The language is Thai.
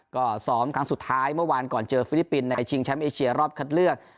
ก็ซ้อมครั้งสุดท้ายเมื่อวานก่อนเจอฟิลิปปินส์ในชิงแชมป์เอเชียรอบคัดเลือก